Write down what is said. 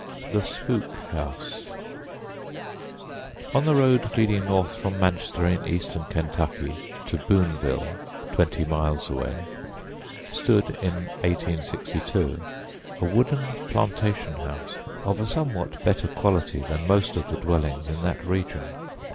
THE SPOOK HOUSE ON the road leading north from Manchester, in eastern Kentucky, to Booneville, twenty miles away, stood, in 1862, a wooden plantation house of a somewhat better quality than most of the dwellings in that region.